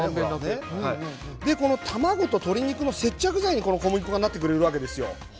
卵と鶏肉が接着剤に小麦粉がなってくれるわけですよ。